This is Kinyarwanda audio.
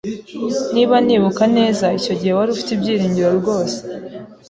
Niba nibuka neza, icyo gihe wari ufite ibyiringiro rwose.